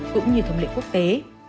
cũng như thống lệ quốc tế